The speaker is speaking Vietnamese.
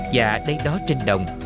và đây đó trên đồng